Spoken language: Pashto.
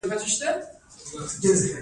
د مشرانو سپینه ږیره د برکت نښه ده.